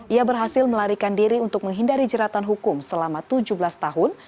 ia berhasil melarikan diri untuk menghindari jeratan hukum selama tujuh belas tahun